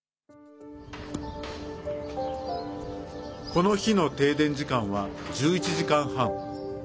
この日の停電時間は１１時間半。